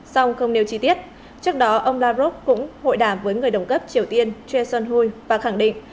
song không nêu chi tiết trước đó ông lavrov cũng hội đàm với người đồng cấp triều tiên jair son hui và khẳng định